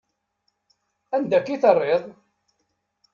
Anda akka i terriḍ?